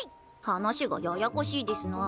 話がややこしいですの。